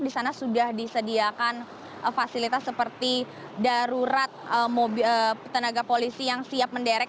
di sana sudah disediakan fasilitas seperti darurat tenaga polisi yang siap menderek